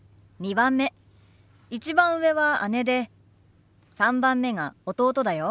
１番上は姉で３番目が弟だよ。